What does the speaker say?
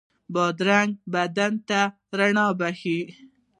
بادرنګ بدن ته رڼا بښي.